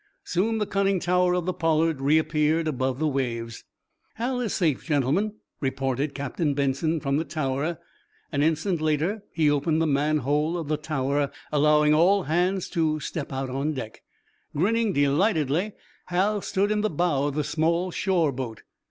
Soon the conning tower of the "Pollard" reappeared above the waves. "Hal is safe, gentlemen," reported Captain Benson, from the tower. An instant later he opened the manhole of the tower, allowing all hands to step out on deck. Grinning delightedly, Hal stood in the bow of the small shore boat.